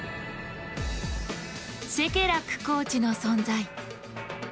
シェケラックコーチの存在。